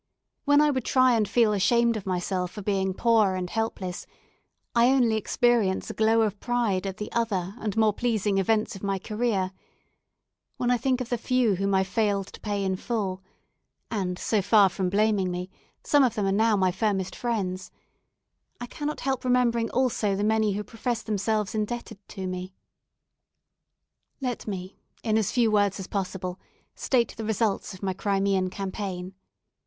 When I would try and feel ashamed of myself for being poor and helpless, I only experience a glow of pride at the other and more pleasing events of my career; when I think of the few whom I failed to pay in full (and so far from blaming me some of them are now my firmest friends), I cannot help remembering also the many who profess themselves indebted to me. Let me, in as few words as possible, state the results of my Crimean campaign.